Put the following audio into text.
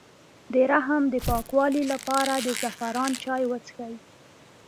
د رحم د پاکوالي لپاره د زعفران چای وڅښئ